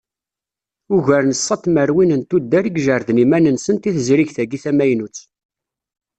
Ugar n ṣa tmerwin n tuddar i ijerrden iman-nsent i tezrigt-agi tamaynut.